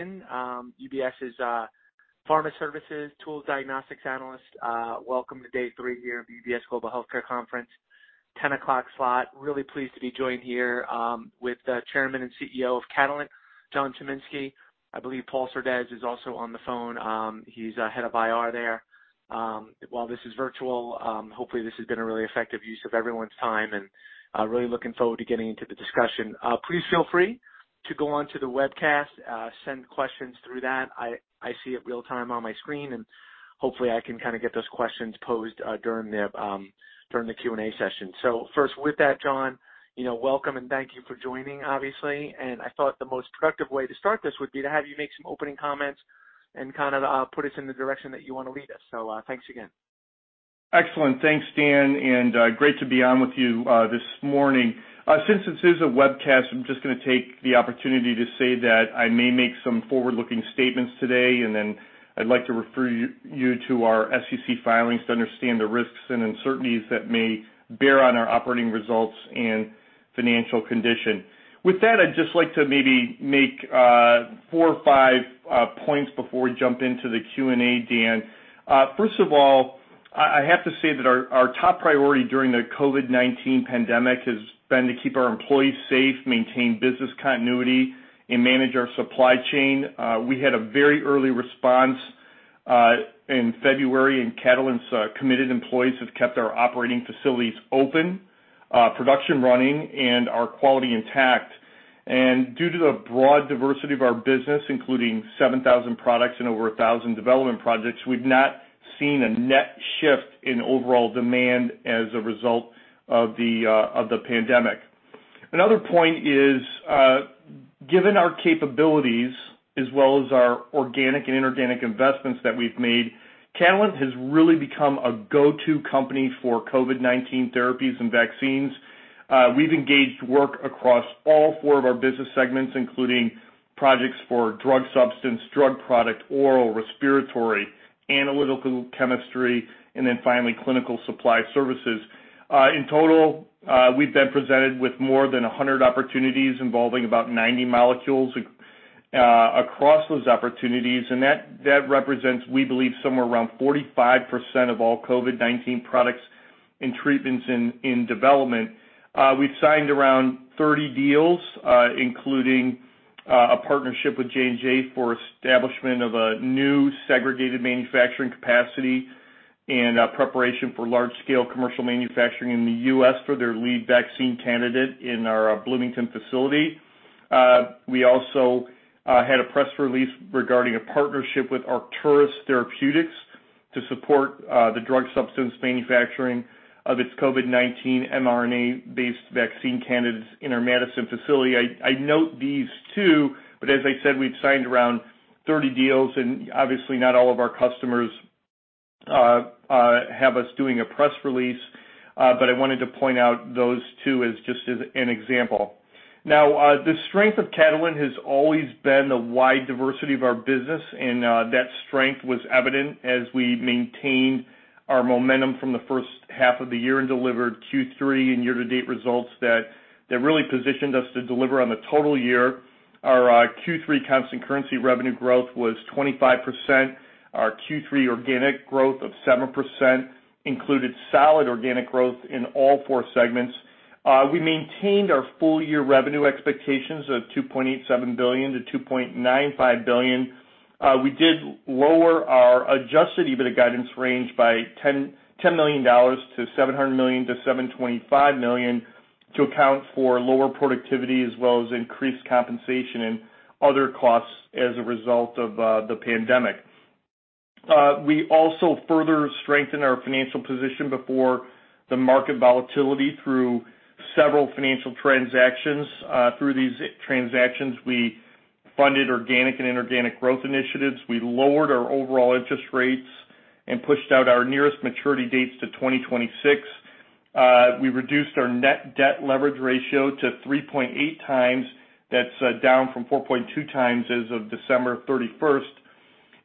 UBS's pharma services tools diagnostics analyst. Welcome to day three here of the UBS Global Healthcare Conference, 10 o'clock slot. Really pleased to be joined here with the chairman and CEO of Catalent, John Chiminski. I believe Paul Surdez is also on the phone. He's head of IR there. While this is virtual, hopefully this has been a really effective use of everyone's time and really looking forward to getting into the discussion. Please feel free to go on to the webcast, send questions through that. I see it real-time on my screen, and hopefully I can kind of get those questions posed during the Q&A session. So first, with that, John, welcome and thank you for joining, obviously. And I thought the most productive way to start this would be to have you make some opening comments and kind of put us in the direction that you want to lead us. So thanks again. Excellent. Thanks, Dan. And great to be on with you this morning. Since this is a webcast, I'm just going to take the opportunity to say that I may make some forward-looking statements today, and then I'd like to refer you to our SEC filings to understand the risks and uncertainties that may bear on our operating results and financial condition. With that, I'd just like to maybe make four or five points before we jump into the Q&A, Dan. First of all, I have to say that our top priority during the COVID-19 pandemic has been to keep our employees safe, maintain business continuity, and manage our supply chain. We had a very early response in February, and Catalent's committed employees have kept our operating facilities open, production running, and our quality intact. Due to the broad diversity of our business, including 7,000 products and over 1,000 development projects, we've not seen a net shift in overall demand as a result of the pandemic. Another point is, given our capabilities as well as our organic and inorganic investments that we've made, Catalent has really become a go-to company for COVID-19 therapies and vaccines. We've engaged work across all four of our business segments, including projects for drug substance, drug product, oral, respiratory, analytical chemistry, and then finally clinical supply services. In total, we've been presented with more than 100 opportunities involving about 90 molecules across those opportunities, and that represents, we believe, somewhere around 45% of all COVID-19 products and treatments in development. We've signed around 30 deals, including a partnership with J&J for establishment of a new segregated manufacturing capacity and preparation for large-scale commercial manufacturing in the U.S. for their lead vaccine candidate in our Bloomington facility. We also had a press release regarding a partnership with Arcturus Therapeutics to support the drug substance manufacturing of its COVID-19 mRNA-based vaccine candidates in our Madison facility. I note these two, but as I said, we've signed around 30 deals, and obviously not all of our customers have us doing a press release, but I wanted to point out those two as just an example. Now, the strength of Catalent has always been the wide diversity of our business, and that strength was evident as we maintained our momentum from the first half of the year and delivered Q3 and year-to-date results that really positioned us to deliver on the total year. Our Q3 constant currency revenue growth was 25%. Our Q3 organic growth of 7% included solid organic growth in all four segments. We maintained our full-year revenue expectations of $2.87 billion-$2.95 billion. We did lower our adjusted EBITDA guidance range by $10 million-$700 million-$725 million to account for lower productivity as well as increased compensation and other costs as a result of the pandemic. We also further strengthened our financial position before the market volatility through several financial transactions. Through these transactions, we funded organic and inorganic growth initiatives. We lowered our overall interest rates and pushed out our nearest maturity dates to 2026. We reduced our net debt leverage ratio to 3.8 times. That's down from 4.2 times as of December 31st.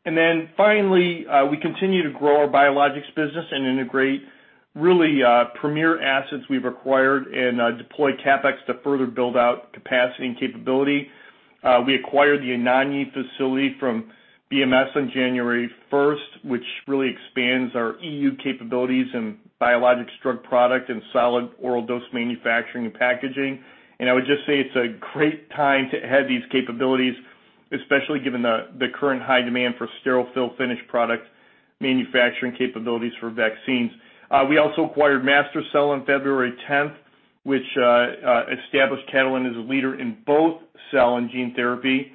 And then finally, we continue to grow our biologics business and integrate really premier assets we've acquired and deploy CapEx to further build out capacity and capability. We acquired the Anagni facility from BMS on January 1st, which really expands our EU capabilities in biologics drug product and oral solid dose manufacturing and packaging. And I would just say it's a great time to have these capabilities, especially given the current high demand for sterile fill-finish product manufacturing capabilities for vaccines. We also acquired MaSTherCell on February 10th, which established Catalent as a leader in both cell and gene therapy.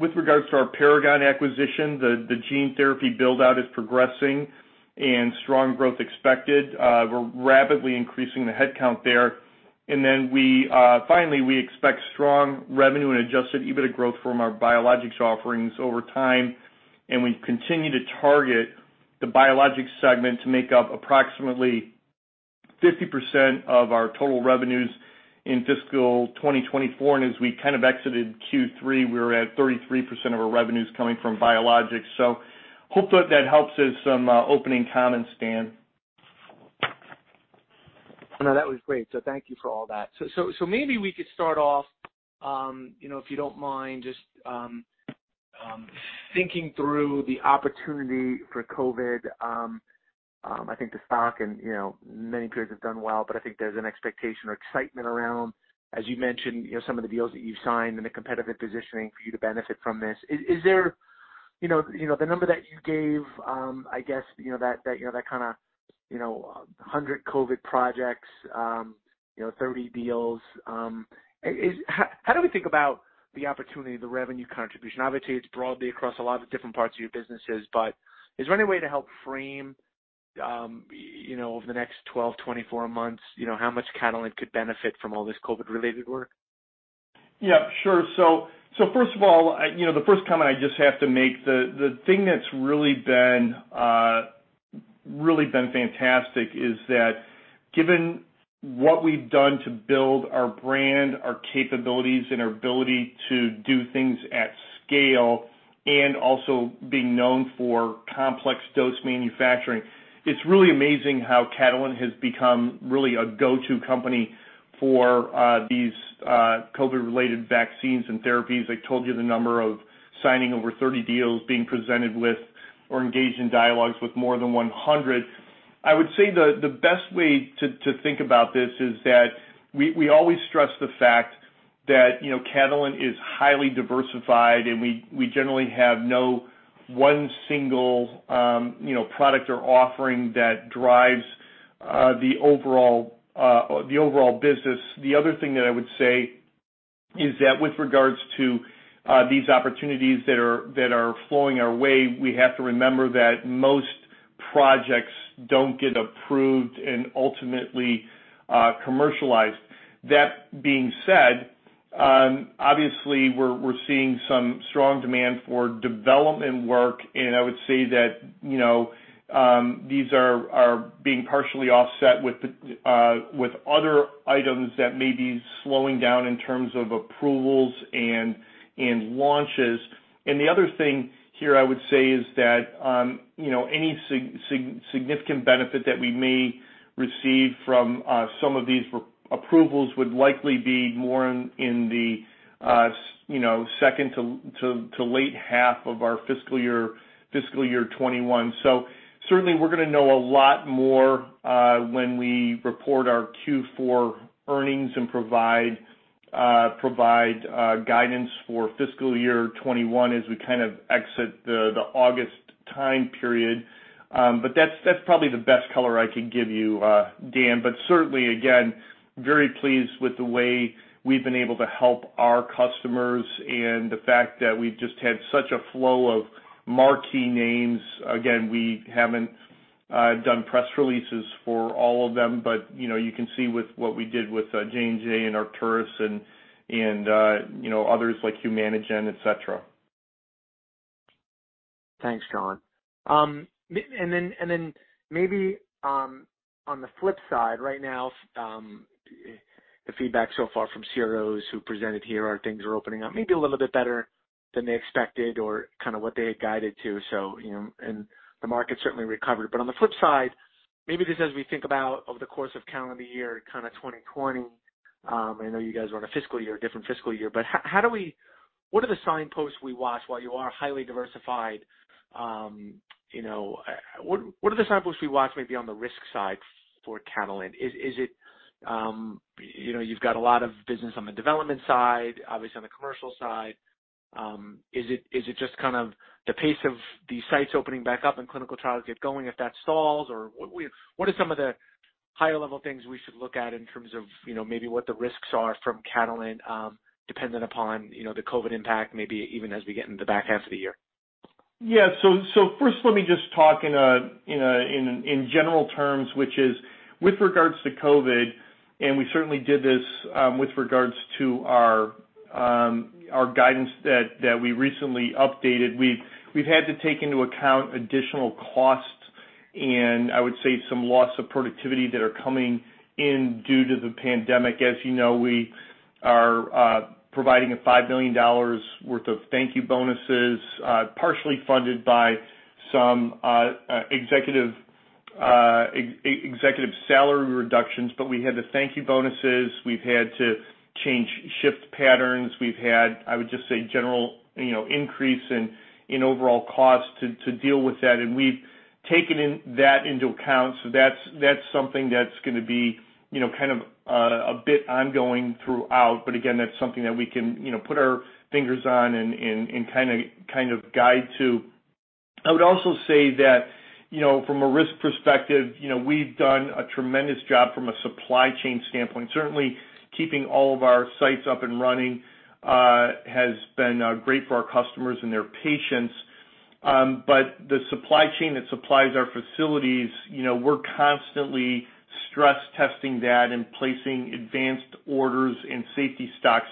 With regards to our Paragon acquisition, the gene therapy build-out is progressing and strong growth expected. We're rapidly increasing the headcount there. And then finally, we expect strong revenue and adjusted EBITDA growth from our biologics offerings over time. And we continue to target the biologics segment to make up approximately 50% of our total revenues in fiscal 2024. And as we kind of exited Q3, we were at 33% of our revenues coming from biologics. So hopefully that helps as some opening comments, Dan. No, that was great. So thank you for all that. So maybe we could start off, if you don't mind, just thinking through the opportunity for COVID. I think the stock and many periods have done well, but I think there's an expectation or excitement around, as you mentioned, some of the deals that you've signed and the competitive positioning for you to benefit from this. Is there the number that you gave, I guess, that kind of 100 COVID projects, 30 deals? How do we think about the opportunity, the revenue contribution? Obviously, it's broadly across a lot of different parts of your businesses, but is there any way to help frame over the next 12, 24 months how much Catalent could benefit from all this COVID-related work? Yeah, sure. So first of all, the first comment I just have to make, the thing that's really been fantastic is that given what we've done to build our brand, our capabilities, and our ability to do things at scale, and also being known for complex dose manufacturing, it's really amazing how Catalent has become really a go-to company for these COVID-related vaccines and therapies. I told you the number of signings over 30 deals, being presented with, or engaged in dialogues with more than 100. I would say the best way to think about this is that we always stress the fact that Catalent is highly diversified, and we generally have no one single product or offering that drives the overall business. The other thing that I would say is that with regards to these opportunities that are flowing our way, we have to remember that most projects don't get approved and ultimately commercialized. That being said, obviously, we're seeing some strong demand for development work, and I would say that these are being partially offset with other items that may be slowing down in terms of approvals and launches. And the other thing here, I would say, is that any significant benefit that we may receive from some of these approvals would likely be more in the second to late half of our fiscal year 2021. So certainly, we're going to know a lot more when we report our Q4 earnings and provide guidance for fiscal year 2021 as we kind of exit the August time period. But that's probably the best color I could give you, Dan. But certainly, again, very pleased with the way we've been able to help our customers and the fact that we've just had such a flow of marquee names. Again, we haven't done press releases for all of them, but you can see with what we did with J&J and Arcturus and others like Humanigen, etc. Thanks, John. And then maybe on the flip side, right now, the feedback so far from CROs who presented here are things are opening up maybe a little bit better than they expected or kind of what they had guided to. And the market certainly recovered. But on the flip side, maybe just as we think about over the course of calendar year, kind of 2020, I know you guys are on a fiscal year, a different fiscal year, but what are the signposts we watch while you are highly diversified? What are the signposts we watch maybe on the risk side for Catalent? You've got a lot of business on the development side, obviously on the commercial side. Is it just kind of the pace of these sites opening back up and clinical trials get going if that stalls? Or what are some of the higher-level things we should look at in terms of maybe what the risks are from Catalent dependent upon the COVID impact, maybe even as we get into the back half of the year? Yeah. So first, let me just talk in general terms, which is with regards to COVID, and we certainly did this with regards to our guidance that we recently updated. We've had to take into account additional costs and I would say some loss of productivity that are coming in due to the pandemic. As you know, we are providing $5 million worth of thank-you bonuses, partially funded by some executive salary reductions, but we had the thank-you bonuses. We've had to shift patterns. We've had, I would just say, general increase in overall costs to deal with that. And we've taken that into account. So that's something that's going to be kind of a bit ongoing throughout. But again, that's something that we can put our fingers on and kind of guide to. I would also say that from a risk perspective, we've done a tremendous job from a supply chain standpoint. Certainly, keeping all of our sites up and running has been great for our customers and their patience. But the supply chain that supplies our facilities, we're constantly stress testing that and placing advanced orders and safety stocks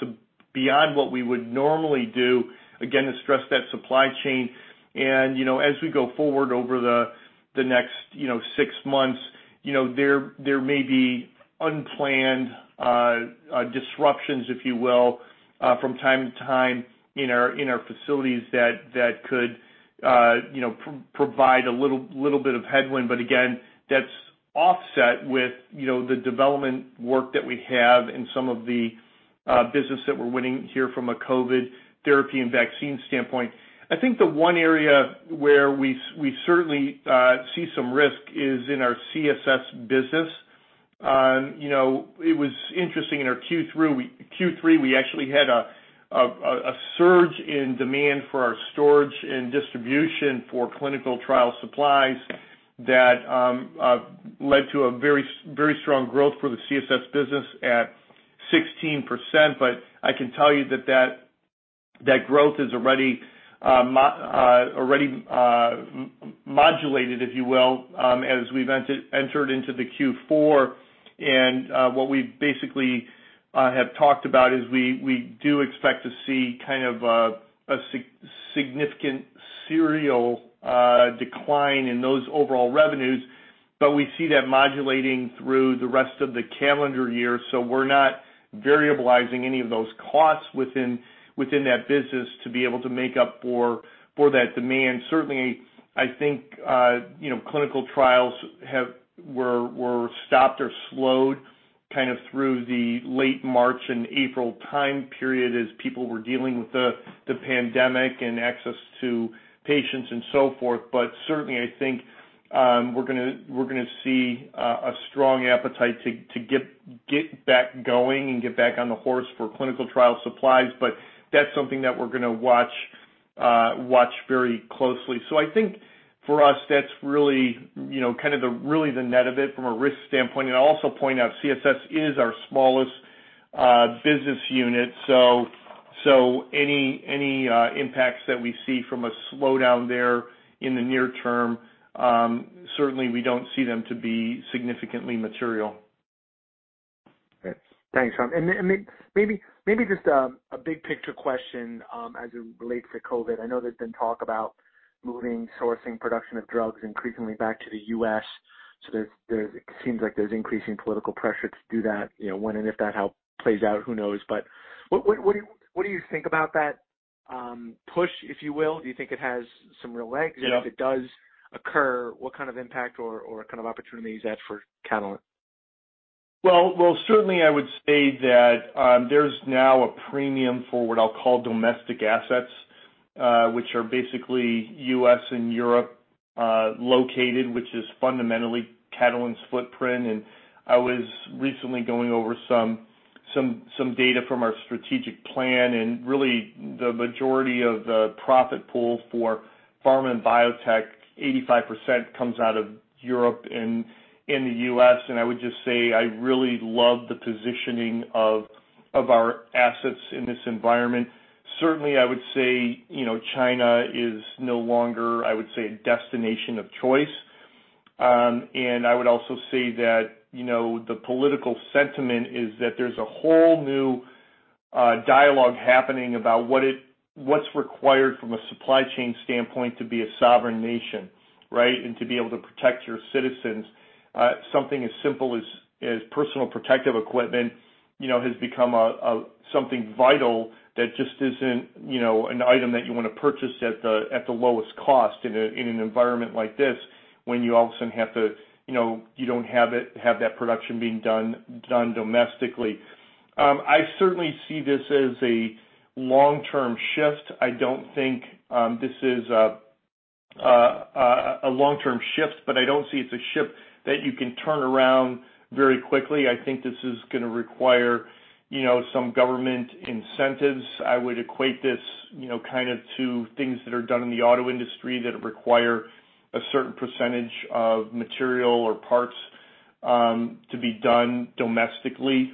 beyond what we would normally do, again, to stress that supply chain. And as we go forward over the next six months, there may be unplanned disruptions, if you will, from time to time in our facilities that could provide a little bit of headwind. But again, that's offset with the development work that we have and some of the business that we're winning here from a COVID therapy and vaccine standpoint. I think the one area where we certainly see some risk is in our CSS business. It was interesting in our Q3, we actually had a surge in demand for our storage and distribution for clinical trial supplies that led to a very strong growth for the CSS business at 16%, but I can tell you that that growth is already modulated, if you will, as we've entered into the Q4, and what we basically have talked about is we do expect to see kind of a significant material decline in those overall revenues, but we see that modulating through the rest of the calendar year, so we're not variabilizing any of those costs within that business to be able to make up for that demand. Certainly, I think clinical trials were stopped or slowed kind of through the late March and April time period as people were dealing with the pandemic and access to patients and so forth. Certainly, I think we're going to see a strong appetite to get back going and get back on the horse for clinical trial supplies. That's something that we're going to watch very closely. I think for us, that's really kind of the net of it from a risk standpoint. I'll also point out CSS is our smallest business unit. Any impacts that we see from a slowdown there in the near term, certainly we don't see them to be significantly material. Thanks, John. And maybe just a big picture question as it relates to COVID. I know there's been talk about moving, sourcing, production of drugs increasingly back to the U.S. So it seems like there's increasing political pressure to do that. When and if that plays out, who knows? But what do you think about that push, if you will? Do you think it has some real legs? And if it does occur, what kind of impact or kind of opportunity is that for Catalent? Well certainly, I would say that there's now a premium for what I'll call domestic assets, which are basically U.S. and Europe located, which is fundamentally Catalent's footprint. I was recently going over some data from our strategic plan. Really, the majority of the profit pool for pharma and biotech, 85%, comes out of Europe and the U.S. I would just say I really love the positioning of our assets in this environment. Certainly, I would say China is no longer, I would say, a destination of choice. I would also say that the political sentiment is that there's a whole new dialogue happening about what's required from a supply chain standpoint to be a sovereign nation, right, and to be able to protect your citizens. Something as simple as personal protective equipment has become something vital that just isn't an item that you want to purchase at the lowest cost in an environment like this when you all of a sudden have to, you don't have that production being done domestically. I certainly see this as a long-term shift. I don't think this is a long-term shift, but I don't see it; it's a shift that you can turn around very quickly. I think this is going to require some government incentives. I would equate this kind of to things that are done in the auto industry that require a certain percentage of material or parts to be done domestically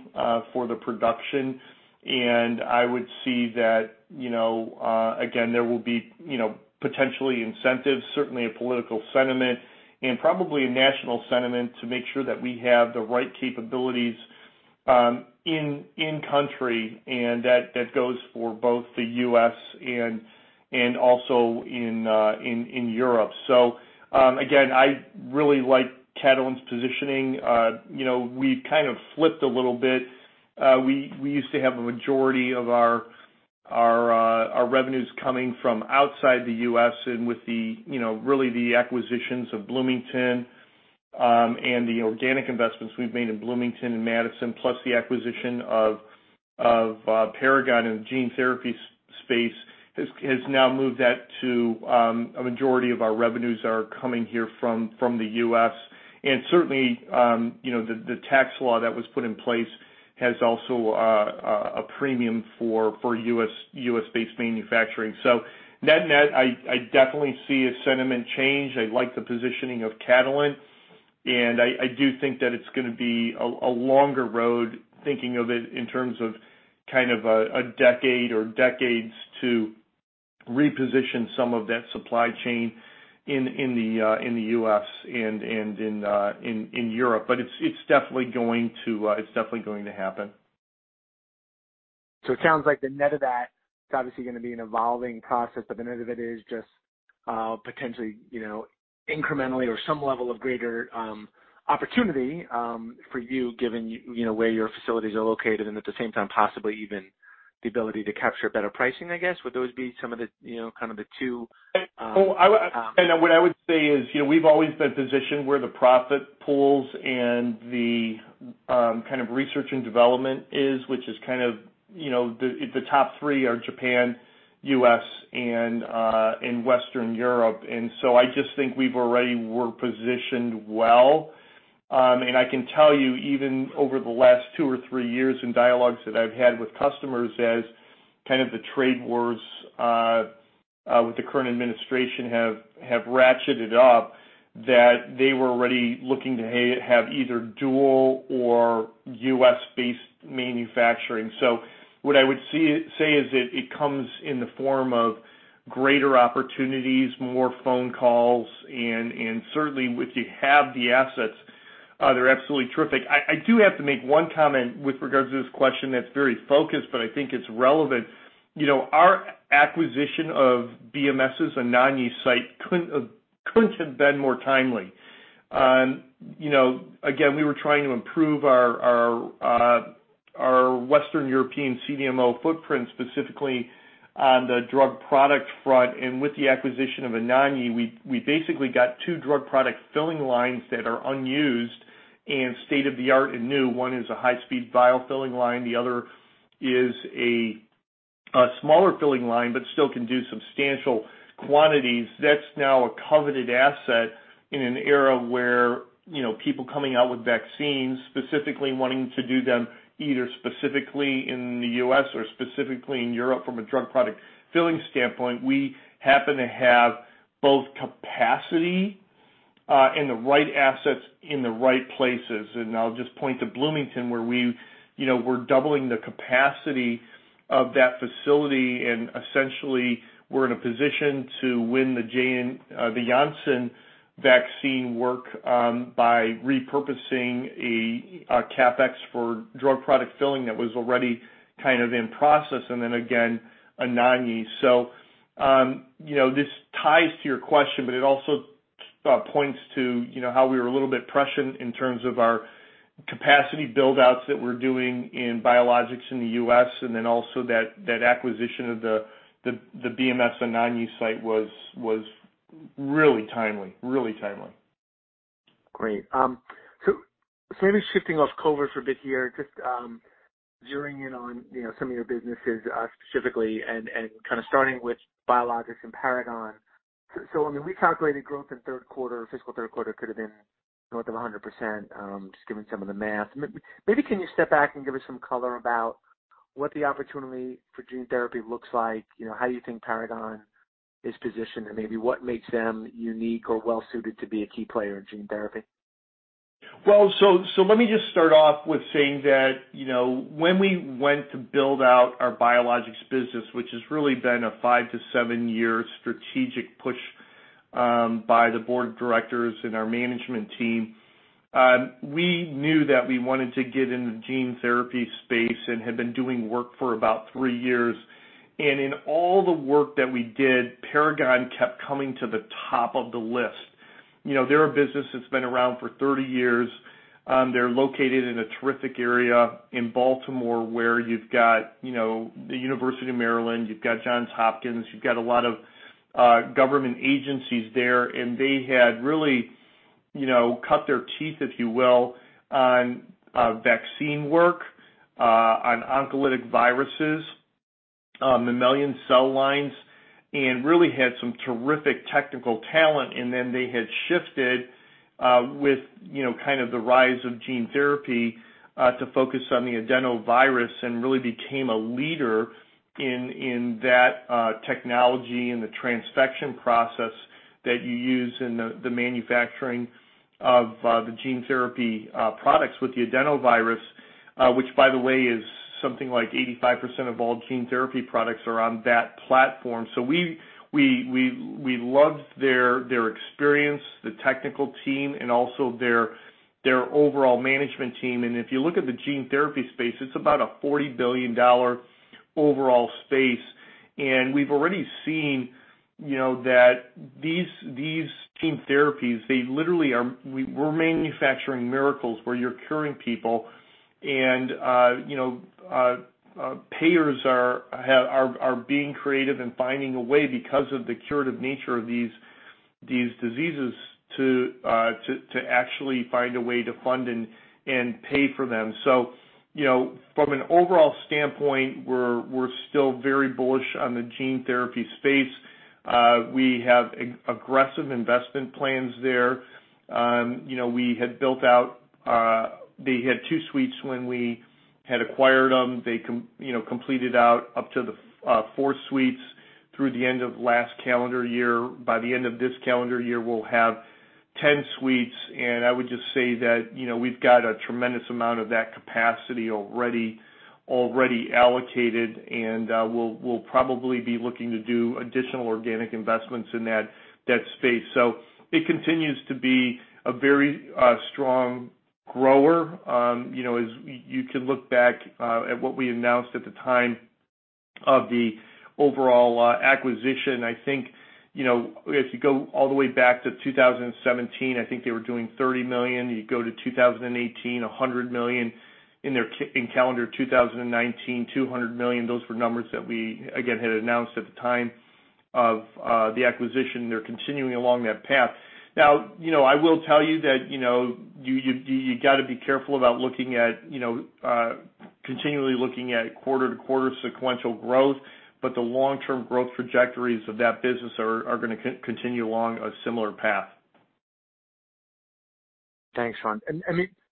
for the production, and I would see that, again, there will be potentially incentives, certainly a political sentiment, and probably a national sentiment to make sure that we have the right capabilities in-country. That goes for both the U.S. and also in Europe. So again, I really like Catalent's positioning. We've kind of flipped a little bit. We used to have a majority of our revenues coming from outside the U.S. and with really the acquisitions of Bloomington and the organic investments we've made in Bloomington and Madison, plus the acquisition of Paragon in the gene therapy space has now moved that to a majority of our revenues are coming here from the U.S. And certainly, the tax law that was put in place has also a premium for U.S.-based manufacturing. So net net, I definitely see a sentiment change. I like the positioning of Catalent. I do think that it's going to be a longer road, thinking of it in terms of kind of a decade or decades to reposition some of that supply chain in the U.S. and in Europe. It's definitely going to happen. So it sounds like the net of that is obviously going to be an evolving process, but the net of it is just potentially incrementally or some level of greater opportunity for you, given where your facilities are located, and at the same time, possibly even the ability to capture better pricing, I guess. Would those be some of the kind of the two? What I would say is we've always been positioned where the profit pools and the kind of research and development is, which is kind of the top three are Japan, U.S., and Western Europe. And so I just think we've already positioned well. And I can tell you, even over the last two or three years in dialogues that I've had with customers, as kind of the trade wars with the current administration have ratcheted up, that they were already looking to have either dual or U.S.-based manufacturing. So what I would say is it comes in the form of greater opportunities, more phone calls. And certainly, if you have the assets, they're absolutely terrific. I do have to make one comment with regards to this question that's very focused, but I think it's relevant. Our acquisition of BMS's Anagni site couldn't have been more timely. Again, we were trying to improve our Western European CDMO footprint, specifically on the drug product front, and with the acquisition of Anagni, we basically got two drug product filling lines that are unused and state-of-the-art and new. One is a high-speed vial filling line. The other is a smaller filling line, but still can do substantial quantities. That's now a coveted asset in an era where people coming out with vaccines, specifically wanting to do them either specifically in the U.S. or specifically in Europe from a drug product filling standpoint, we happen to have both capacity and the right assets in the right places, and I'll just point to Bloomington, where we were doubling the capacity of that facility. Essentially, we're in a position to win the Janssen vaccine work by repurposing a CapEx for drug product filling that was already kind of in process, and then again, an Anagni. This ties to your question, but it also points to how we were a little bit prescient in terms of our capacity buildouts that we're doing in biologics in the U.S. Then also that acquisition of the BMS, an Anagni site, was really timely, really timely. Great. So maybe shifting off COVID for a bit here, just zeroing in on some of your businesses specifically and kind of starting with biologics and Paragon. So I mean, we calculated growth in fiscal third quarter could have been north of 100%, just giving some of the math. Maybe can you step back and give us some color about what the opportunity for gene therapy looks like? How do you think Paragon is positioned? And maybe what makes them unique or well-suited to be a key player in gene therapy? Well, so let me just start off with saying that when we went to build out our biologics business, which has really been a five to seven-year strategic push by the board of directors and our management team, we knew that we wanted to get in the gene therapy space and had been doing work for about three years. And in all the work that we did, Paragon kept coming to the top of the list. They're a business that's been around for 30 years. They're located in a terrific area in Baltimore where you've got the University of Maryland, you've got Johns Hopkins, you've got a lot of government agencies there. And they had really cut their teeth, if you will, on vaccine work, oncolytic viruses, mammalian cell lines, and really had some terrific technical talent. And then they had shifted with kind of the rise of gene therapy to focus on the adenovirus and really became a leader in that technology and the transfection process that you use in the manufacturing of the gene therapy products with the adenovirus, which, by the way, is something like 85% of all gene therapy products are on that platform. So we loved their experience, the technical team, and also their overall management team. And if you look at the gene therapy space, it's about a $40 billion overall space. And we've already seen that these gene therapies, they literally are. We're manufacturing miracles where you're curing people. And payers are being creative and finding a way because of the curative nature of these diseases to actually find a way to fund and pay for them. From an overall standpoint, we're still very bullish on the gene therapy space. We have aggressive investment plans there. We had built out. They had two suites when we had acquired them. They completed out up to four suites through the end of last calendar year. By the end of this calendar year, we'll have 10 suites. I would just say that we've got a tremendous amount of that capacity already allocated. We'll probably be looking to do additional organic investments in that space. It continues to be a very strong grower. You can look back at what we announced at the time of the overall acquisition. I think if you go all the way back to 2017, I think they were doing $30 million. You go to 2018, $100 million. In calendar 2019, $200 million. Those were numbers that we, again, had announced at the time of the acquisition. They're continuing along that path. Now, I will tell you that you got to be careful about continually looking at quarter-to-quarter sequential growth. But the long-term growth trajectories of that business are going to continue along a similar path. Thanks, John. And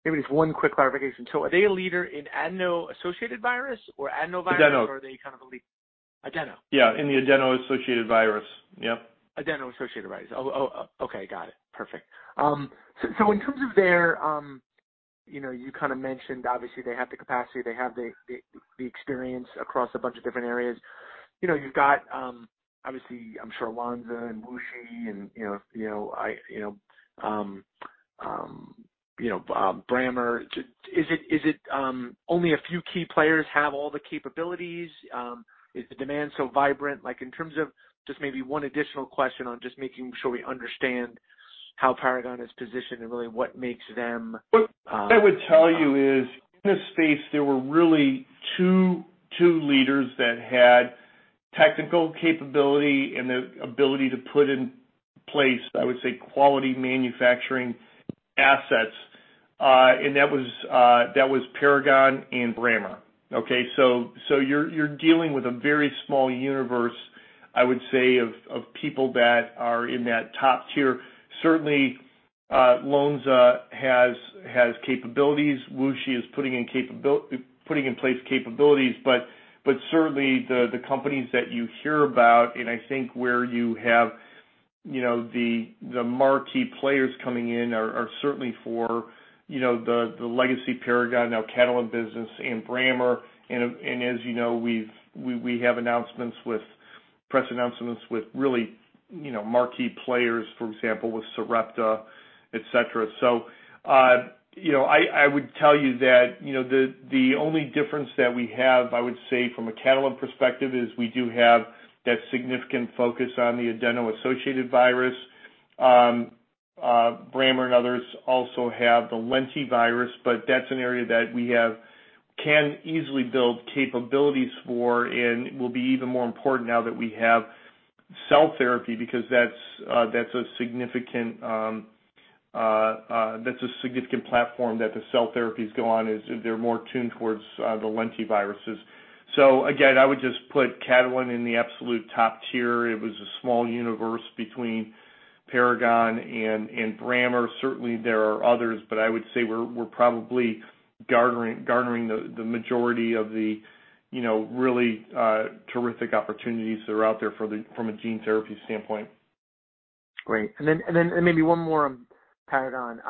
maybe just one quick clarification. So are they a leader in adeno-associated virus or adenovirus? Adeno. Or are they kind of a leader? Adeno? Yeah, in the adeno-associated virus. Yep. Adeno-associated virus. Okay. Got it. Perfect. So in terms of there, you kind of mentioned, obviously, they have the capacity. They have the experience across a bunch of different areas. You've got, obviously, I'm sure, Lonza and WuXi and Brammer. Is it only a few key players have all the capabilities? Is the demand so vibrant? In terms of just maybe one additional question on just making sure we understand how Paragon is positioned and really what makes them. What I would tell you is, in this space, there were really two leaders that had technical capability and the ability to put in place, I would say, quality manufacturing assets. That was Paragon and Brammer. Okay? You're dealing with a very small universe, I would say, of people that are in that top tier. Certainly, Lonza has capabilities. WuXi is putting in place capabilities. The companies that you hear about, and I think where you have the marquee players coming in are certainly for the legacy Paragon, now Catalent business, and Brammer. As you know, we have announcements with press announcements with really marquee players, for example, with Sarepta, etc. I would tell you that the only difference that we have, I would say, from a Catalent perspective is we do have that significant focus on the adeno-associated virus. Brammer and others also have the lentivirus, but that's an area that we can easily build capabilities for and will be even more important now that we have cell therapy because that's a significant platform that the cell therapies go on. They're more tuned towards the lentiviruses. So again, I would just put Catalent in the absolute top tier. It was a small universe between Paragon and Brammer. Certainly, there are others, but I would say we're probably garnering the majority of the really terrific opportunities that are out there from a gene therapy standpoint. Great. And then maybe one more on Paragon.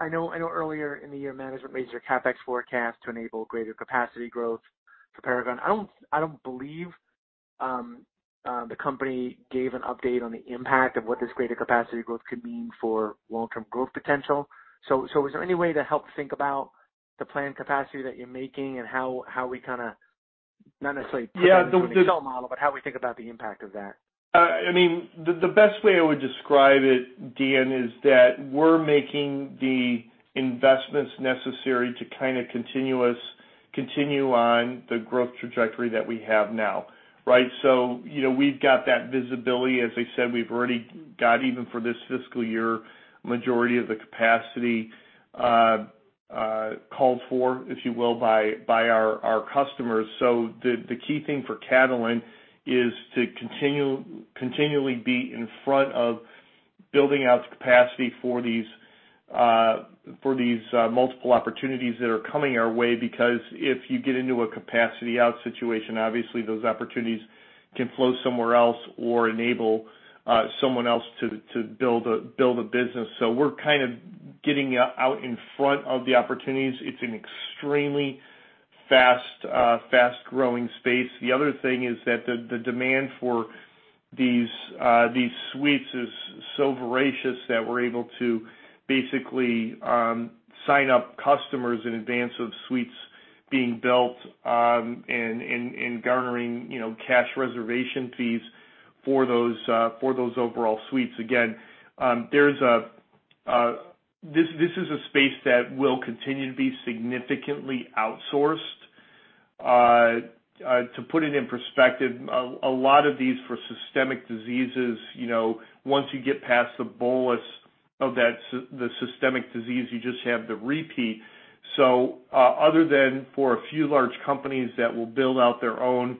I know earlier in the year, management raised your CapEx forecast to enable greater capacity growth for Paragon. I don't believe the company gave an update on the impact of what this greater capacity growth could mean for long-term growth potential. So is there any way to help think about the planned capacity that you're making and how we kind of not necessarily put it into the cell model, but how we think about the impact of that? I mean, the best way I would describe it, Dan, is that we're making the investments necessary to kind of continue on the growth trajectory that we have now. Right? So we've got that visibility. As I said, we've already got, even for this fiscal year, a majority of the capacity called for, if you will, by our customers. So the key thing for Catalent is to continually be in front of building out capacity for these multiple opportunities that are coming our way. Because if you get into a capacity-out situation, obviously, those opportunities can flow somewhere else or enable someone else to build a business. So we're kind of getting out in front of the opportunities. It's an extremely fast-growing space. The other thing is that the demand for these suites is so voracious that we're able to basically sign up customers in advance of suites being built and garnering cash reservation fees for those overall suites. Again, this is a space that will continue to be significantly outsourced. To put it in perspective, a lot of these for systemic diseases, once you get past the bolus of the systemic disease, you just have the repeat. So other than for a few large companies that will build out their own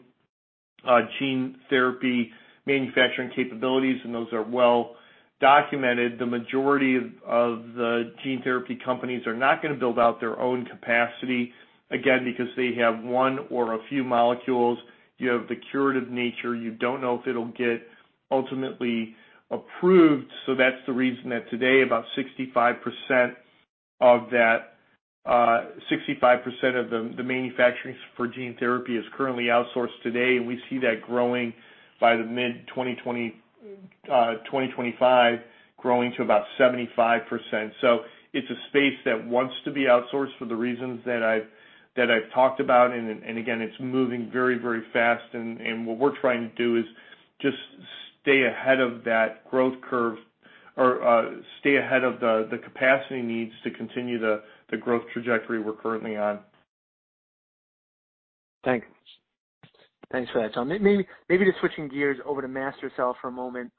gene therapy manufacturing capabilities, and those are well documented, the majority of the gene therapy companies are not going to build out their own capacity, again, because they have one or a few molecules. You have the curative nature. You don't know if it'll get ultimately approved. That's the reason that today about 65% of that 65% of the manufacturing for gene therapy is currently outsourced today. And we see that growing by the mid-2025, growing to about 75%. It's a space that wants to be outsourced for the reasons that I've talked about. And again, it's moving very, very fast. And what we're trying to do is just stay ahead of that growth curve or stay ahead of the capacity needs to continue the growth trajectory we're currently on. Thanks. Thanks for that, John. Maybe just switching gears over to MaSTherCell for a moment.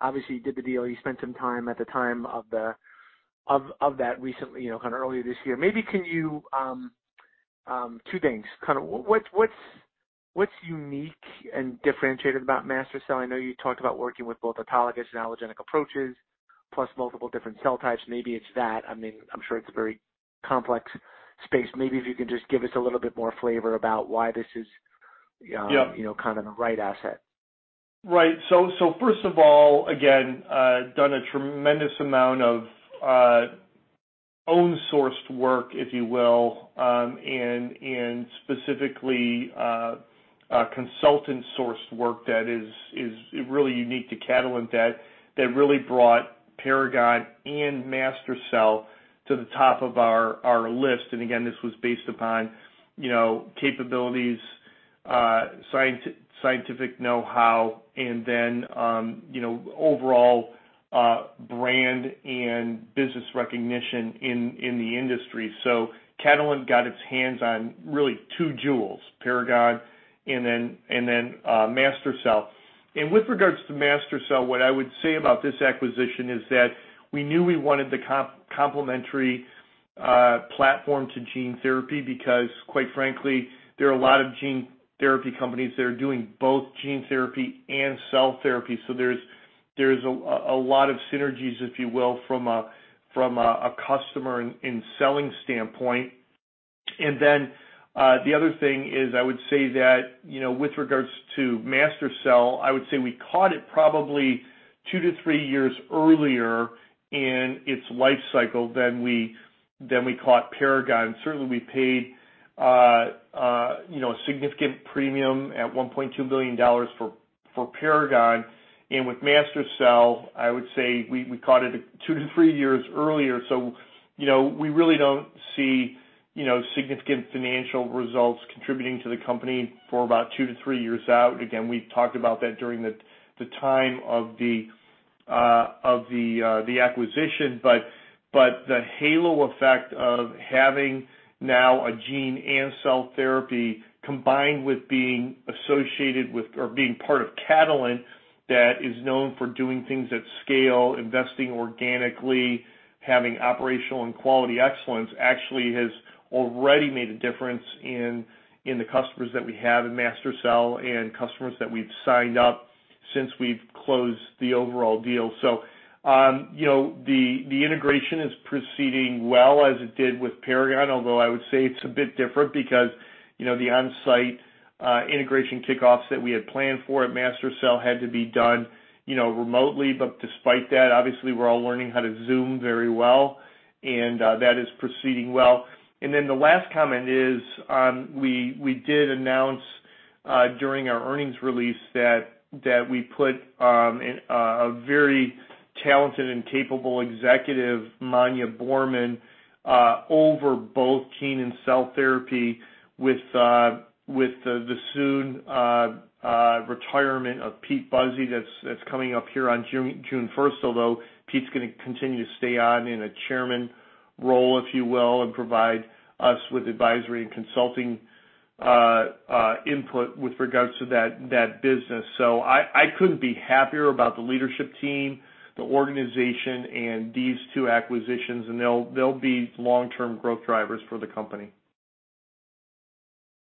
Obviously, you did the deal. You spent some time at the time of that recently, kind of earlier this year. Maybe can you two things. Kind of what's unique and differentiated about MaSTherCell? I know you talked about working with both autologous and allogeneic approaches, plus multiple different cell types. Maybe it's that. I mean, I'm sure it's a very complex space. Maybe if you can just give us a little bit more flavor about why this is kind of the right asset. Right. So first of all, again, done a tremendous amount of own-sourced work, if you will, and specifically consultant-sourced work that is really unique to Catalent that really brought Paragon and MaSTherCell to the top of our list. And again, this was based upon capabilities, scientific know-how, and then overall brand and business recognition in the industry. So Catalent got its hands on really two jewels, Paragon and then MaSTherCell. And with regards to MaSTherCell, what I would say about this acquisition is that we knew we wanted the complementary platform to gene therapy because, quite frankly, there are a lot of gene therapy companies that are doing both gene therapy and cell therapy. So there's a lot of synergies, if you will, from a customer and selling standpoint. And then the other thing is I would say that with regards to MaSTherCell, I would say we caught it probably two to three years earlier in its life cycle than we caught Paragon. Certainly, we paid a significant premium at $1.2 billion for Paragon. And with MaSTherCell, I would say we caught it two to three years earlier. So we really don't see significant financial results contributing to the company for about two to three years out. Again, we talked about that during the time of the acquisition. But the halo effect of having now a gene and cell therapy combined with being associated with or being part of Catalent that is known for doing things at scale, investing organically, having operational and quality excellence actually has already made a difference in the customers that we have in MaSTherCell and customers that we've signed up since we've closed the overall deal, so the integration is proceeding well as it did with Paragon, although I would say it's a bit different because the on-site integration kickoffs that we had planned for at MaSTherCell had to be done remotely, but despite that, obviously, we're all learning how to Zoom very well, and that is proceeding well. And then the last comment is we did announce during our earnings release that we put a very talented and capable executive, Manja Boerman, over both gene and cell therapy with the soon retirement of Pete Buzy that's coming up here on June 1st, although Pete's going to continue to stay on in a chairman role, if you will, and provide us with advisory and consulting input with regards to that business. So I couldn't be happier about the leadership team, the organization, and these two acquisitions. And they'll be long-term growth drivers for the company.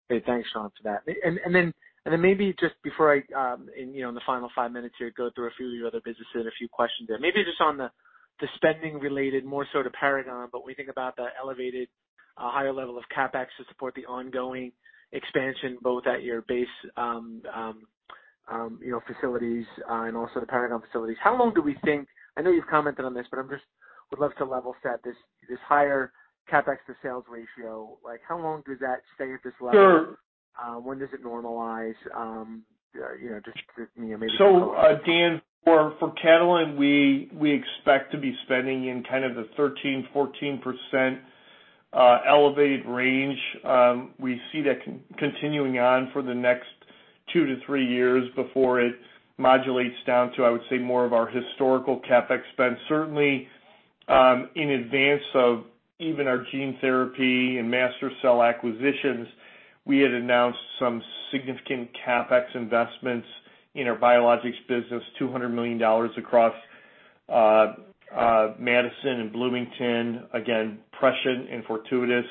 Great. Thanks, John, for that. And then maybe just before I, in the final five minutes here, go through a few of your other businesses and a few questions there. Maybe just on the spending related more so to Paragon, but when we think about the elevated higher level of CapEx to support the ongoing expansion both at your base facilities and also the Paragon facilities, how long do we think? I know you've commented on this, but I would love to level set this higher CapEx to sales ratio. How long does that stay at this level? When does it normalize? Just maybe. Dan, for Catalent, we expect to be spending in kind of the 13%-14% elevated range. We see that continuing on for the next two to three years before it modulates down to, I would say, more of our historical CapEx spend. Certainly, in advance of even our gene therapy and MaSTherCell acquisitions, we had announced some significant CapEx investments in our biologics business, $200 million across Madison and Bloomington, again, prescient and fortuitous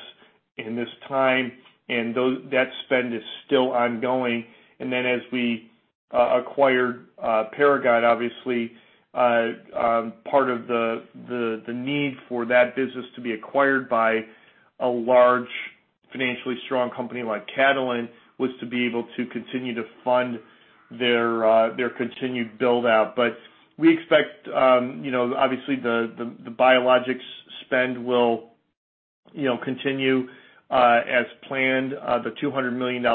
in this time. That spend is still ongoing. Then as we acquired Paragon, obviously, part of the need for that business to be acquired by a large financially strong company like Catalent was to be able to continue to fund their continued build-out. We expect, obviously, the biologics spend will continue as planned, the $200 million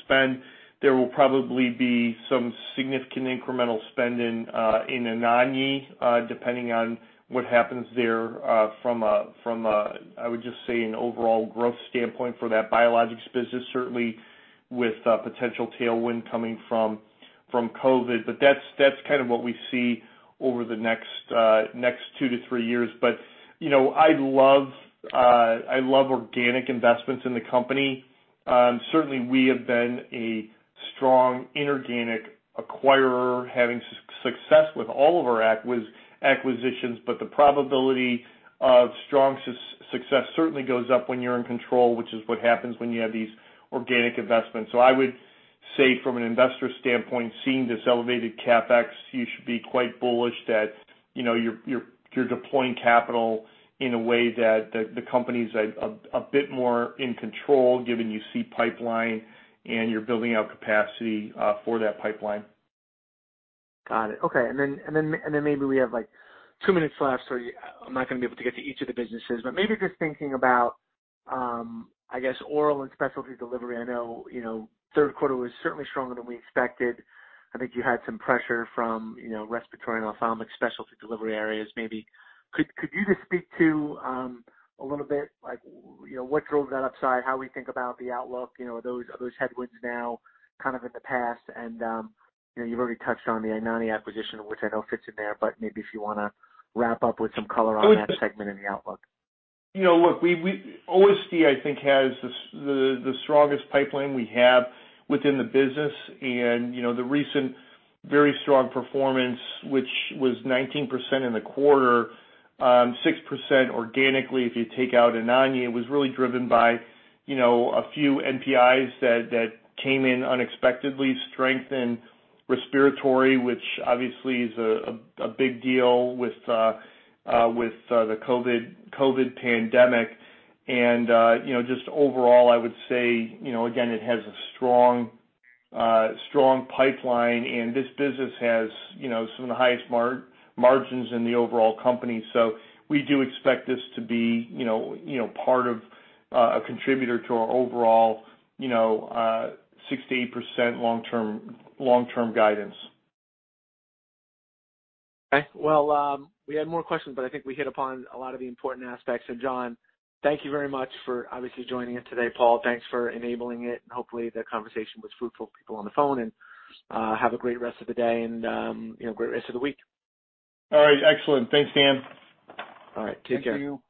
spend. There will probably be some significant incremental spend in Anagni, depending on what happens there from a, I would just say, an overall growth standpoint for that biologics business, certainly with potential tailwind coming from COVID. But that's kind of what we see over the next two to three years. But I love organic investments in the company. Certainly, we have been a strong inorganic acquirer, having success with all of our acquisitions. But the probability of strong success certainly goes up when you're in control, which is what happens when you have these organic investments. So I would say from an investor standpoint, seeing this elevated CapEx, you should be quite bullish that you're deploying capital in a way that the company's a bit more in control given you see pipeline and you're building out capacity for that pipeline. Got it. Okay. And then maybe we have two minutes left. I'm not going to be able to get to each of the businesses. But maybe just thinking about, I guess, oral and specialty delivery. I know third quarter was certainly stronger than we expected. I think you had some pressure from respiratory and ophthalmic specialty delivery areas. Maybe could you just speak to a little bit what drove that upside, how we think about the outlook? Are those headwinds now kind of in the past? And you've already touched on the Anagni acquisition, which I know fits in there. But maybe if you want to wrap up with some color on that segment and the outlook. Look, OSD, I think, has the strongest pipeline we have within the business. And the recent very strong performance, which was 19% in the quarter, 6% organically if you take out Anagni, was really driven by a few NPIs that came in unexpectedly, strengthened respiratory, which obviously is a big deal with the COVID pandemic. And just overall, I would say, again, it has a strong pipeline. And this business has some of the highest margins in the overall company. So we do expect this to be part of a contributor to our overall 68% long-term guidance. Okay. Well, we had more questions, but I think we hit upon a lot of the important aspects. So, John, thank you very much for obviously joining us today, Paul. Thanks for enabling it. And hopefully, the conversation was fruitful for people on the phone. And have a great rest of the day and a great rest of the week. All right. Excellent. Thanks, Dan. All right. Take care. Thank you.